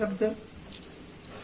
mereka juga kejaksaan